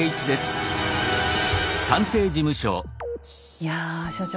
いや所長